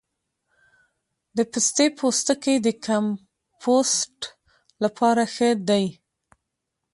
د پستې پوستکی د کمپوسټ لپاره ښه دی؟